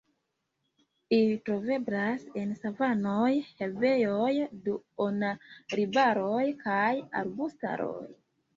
Ili troveblas en savanoj, herbejoj, duonarbaroj kaj arbustaroj.